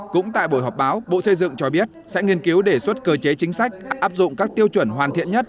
cũng tại buổi họp báo bộ xây dựng cho biết sẽ nghiên cứu đề xuất cơ chế chính sách áp dụng các tiêu chuẩn hoàn thiện nhất